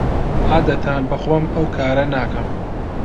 عادەتەن بەخۆم ئەو کارە ناکەم.